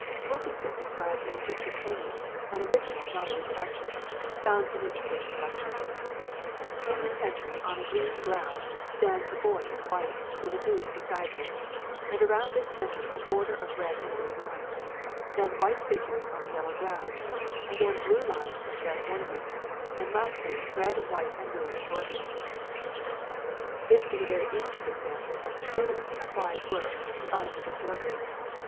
Wilkinson describes an Egyptian hanging an original, not a reproduction found in an English collection: "In the centre, on a green ground, stands a boy in white, with a goose beside him; and around this centre a border of red and blue lines; then white figures on a yellow ground; again blue lines and red ornaments; and lastly red, white, and blue embroideries." This is a very ancient example of true applied work combined with embroidery.